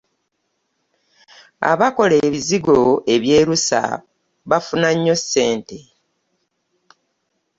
Abakola ebizigo ebyerusa bafuna nnyo ssente.